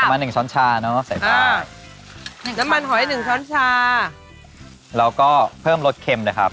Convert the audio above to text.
น้ำมันหอยหนึ่งช้อนชาอ่าเราก็เพิ่มรสเข็มเลยครับ